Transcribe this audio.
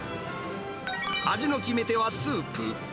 味の決め手はスープ。